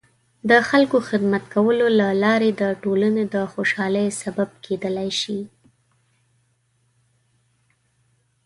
د خلکو د خدمت کولو له لارې د ټولنې د خوشحالۍ سبب کیدلای شي.